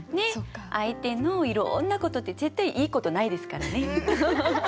相手のいろんなことって絶対いいことないですからね。